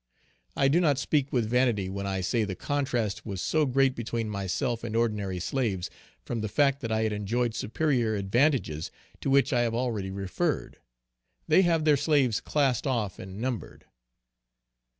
I do not speak with vanity when I say the contrast was so great between myself and ordinary slaves, from the fact that I had enjoyed superior advantages, to which I have already referred. They have their slaves classed off and numbered.